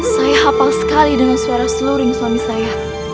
saya hafal sekali dengan suara seluruh suami saya